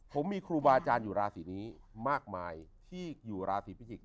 ผมมีครูบาอาจารย์อยู่ราศีนี้มากมายที่อยู่ราศีพิจิกษ